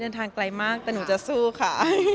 เดินทางไกลมากแต่หนูจะสู้ค่ะ